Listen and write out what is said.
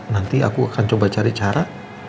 nanti aku akan coba cari cara